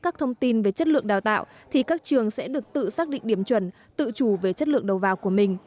các thông tin về chất lượng đào tạo thì các trường sẽ được tự xác định điểm chuẩn tự chủ về chất lượng đầu vào của mình